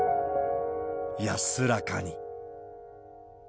安らかに。